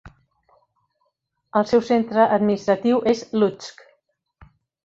El seu centre administratiu és Lutsk.